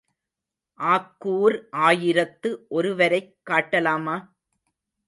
ஆக்கூர் ஆயிரத்து ஒருவரைக் காட்டலாமா?